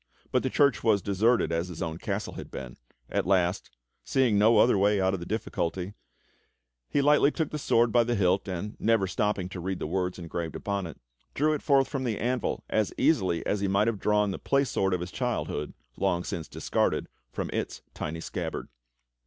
But the church was as deserted as his own castle had been. At last, seeing now ARTHUR WON HIS KINGDOM 21 no other way out of the difficulty, he lightly took the sword by the hilt, and, never stopping to read the words engraved upon it, drew it forth from the anvil as easily as he might have drawn the play sword of his childhood, long since discarded, from its tiny scabbard.